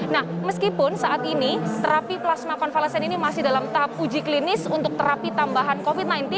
nah meskipun saat ini terapi plasma konvalesen ini masih dalam tahap uji klinis untuk terapi tambahan covid sembilan belas